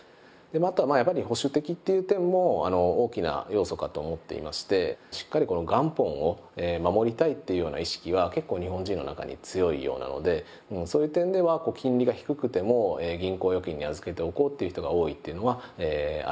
あとはやっぱり保守的っていう点も大きな要素かと思っていましてしっかり元本を守りたいっていうような意識は結構日本人の中に強いようなのでそういう点では金利が低くても銀行預金に預けておこうっていう人が多いっていうのはあるかな。